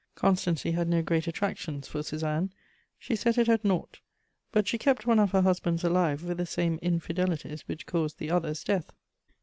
Constancy had no great attractions for Suzanne, she set it at naught; but she kept one of her husbands alive with the same infidelities which caused the other's death.